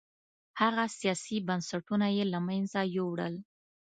هغه سیاسي بنسټونه یې له منځه یووړل